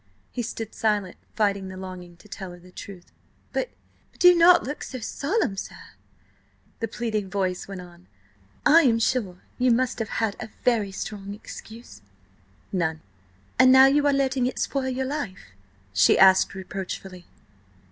He stood silent, fighting the longing to tell her the truth. "But–but–do not look so solemn, sir," the pleading voice went on. "I am sure you must have had a very strong excuse?" "None." "And now you are letting it spoil your life?" she asked reproachfully.